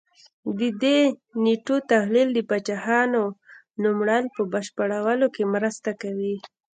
د دې نېټو تحلیل د پاچاهانو نوملړ په بشپړولو کې مرسته کوي